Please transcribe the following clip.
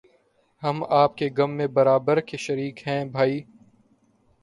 ہم آپ کے غم میں برابر کے شریک ہیں بھائی